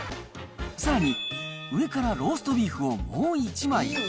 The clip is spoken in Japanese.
さらに、上からローストビーフをもう１枚。